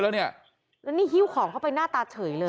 แล้วนี่ฮิ้วของเข้าไปหน้าตาเฉยเลย